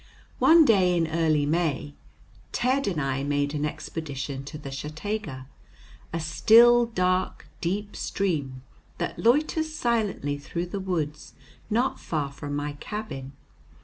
One day in early May, Ted and I made an expedition to the Shattega, a still, dark, deep stream that loiters silently through the woods not far from my cabin.